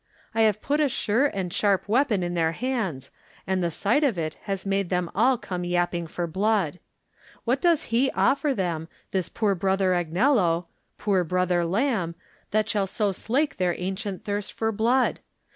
I have put a sure and sharp weapon in their hands and the sight of it has made them all come yapping for blood. What does he offer them, this poor Brother Agnello — ^poor Brother Lamb that shall so slake their ancient thirst for blood?